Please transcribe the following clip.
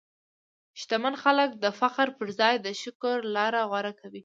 شتمن خلک د فخر پر ځای د شکر لاره غوره کوي.